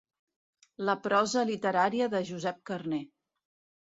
La prosa literària de Josep Carner.